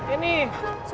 ini super aja